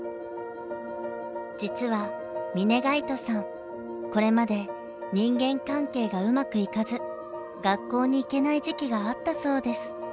実は峯垣外さんこれまで人間関係がうまくいかず学校に行けない時期があったそうです。